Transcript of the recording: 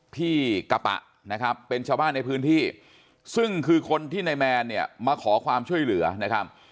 พี่กะปะนะครับเป็นชาวบ้านในพื้นที่ซึ่งคือคนที่นายแมนเนี่ยมาขอความช่วยเหลือนะครับ